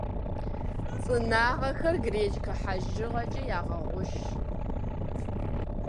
Цӏынагъэхэр гречкэ хьэжыгъэкӏэ ягъэгъущ.